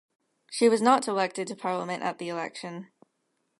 She was not elected to parliament at the election.